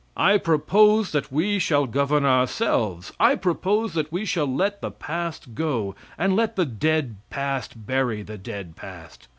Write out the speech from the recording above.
I propose that we shall govern ourselves! I propose that we shall let the past go, and let the dead past bury the dead past.